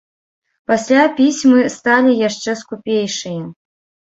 Пасля пісьмы сталі яшчэ скупейшыя.